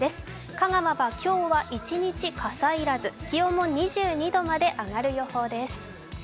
香川は今日は一日、傘要らず気温も２２度まで上がる予報です。